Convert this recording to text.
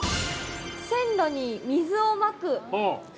線路に水をまく。